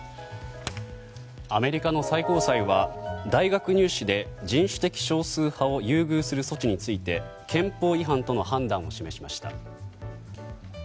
アメリカの最高裁は大学入試で人種的少数派を優遇する措置について憲法違反との判断を示しました。